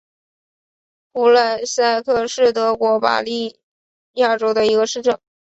普雷塞克是德国巴伐利亚州的一个市镇。